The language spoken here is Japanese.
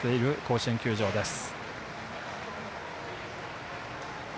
甲子園球場です。